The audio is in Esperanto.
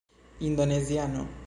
indoneziano